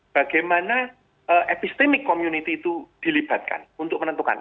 bagaimana epistemic community itu dilibatkan untuk menentukan